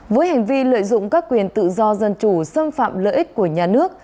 với hành vi lợi dụng các quyền tự do dân chủ xâm phạm lợi ích của nhà nước